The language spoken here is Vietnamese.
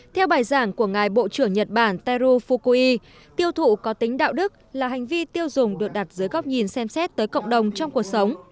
theo bài giảng của ngài bộ trưởng nhật bản taro fukui tiêu thụ có tính đạo đức là hành vi tiêu dùng được đặt dưới góc nhìn xem xét tới cộng đồng trong cuộc sống